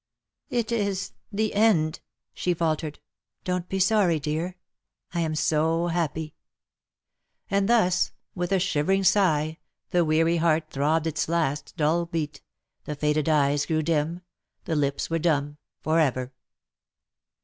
'^ It is the end/' she faltered. " Don^t be sorry, dear. I am so happy .^^ And thus, with a shivering sigh, the weary heart throbbed its last dull beat, the faded eyes grew dim, the lips were dumb for ever.